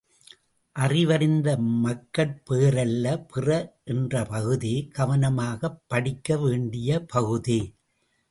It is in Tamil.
அறிவறிந்த மக்கட் பேறல்ல பிற என்ற பகுதி, கவனமாகப் படிக்க வேண்டிய பகுதி.